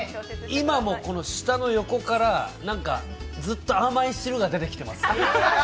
今も舌の横からずっと甘い汁が出てきてます。